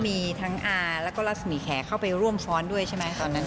มีทั้งอาแล้วก็รัศมีแขเข้าไปร่วมซ้อนด้วยใช่ไหมตอนนั้น